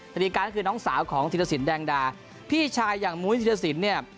นาฬิกาก็คือน้องสาวของธิรสินแดงดาพี่ชายอย่างมุ้ยธิรสินเนี่ย